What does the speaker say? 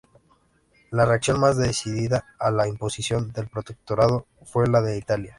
La reacción más decidida a la imposición del protectorado fue la de Italia.